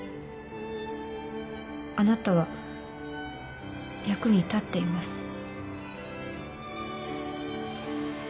あなたは役に立っています。